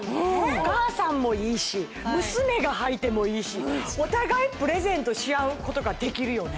お母さんもいいし娘が履いてもいいしお互いプレゼントし合うことができるよね